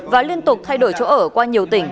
và liên tục thay đổi chỗ ở qua nhiều tỉnh